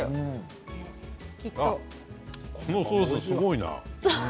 このソースすごいな。